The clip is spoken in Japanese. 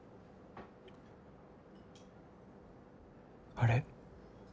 あれ？